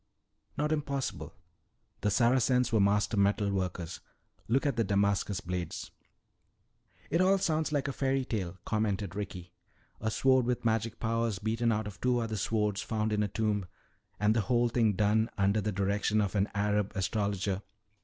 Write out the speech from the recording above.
"Not impossible. The Saracens were master metal workers. Look at the Damascus blades." "It all sounds like a fairy tale," commented Ricky. "A sword with magic powers beaten out of two other swords found in a tomb. And the whole thing done under the direction of an Arab astrologer."